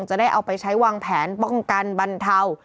จะได้เอาไปใช้วางแผนป้องกันบรรเทา